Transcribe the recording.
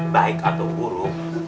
baik atau buruk